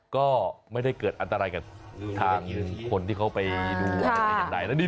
ก็ไม่ได้เกิดอันตรายกับทางคนที่เค้าไปดูยังไง